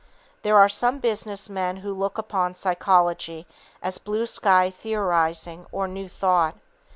There are some business men who look upon psychology as "blue sky" theorizing or "new thought."